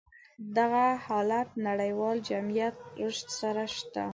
دغه حالت نړيوال جميعت رشد سره شته.